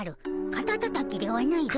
カタタタキではないぞ。